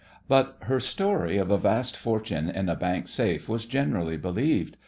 But her story of a vast fortune in a bank safe was generally believed.